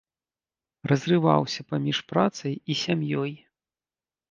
Разрываўся паміж працай і сям'ёй.